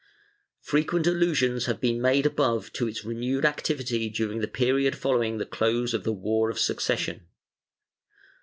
Frequent allusions have been made above to its renewed activity during the period following the close of the War of Succession.